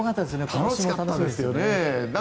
楽しかったですよね。